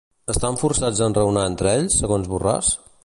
Estan forçats a enraonar entre ells, segons Borràs?